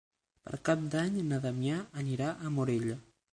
Per Cap d'Any na Damià anirà a Morella.